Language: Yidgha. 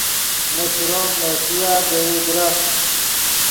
نے چروم نے ݰویا دے یو درخت